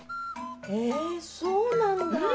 えそうなんだ。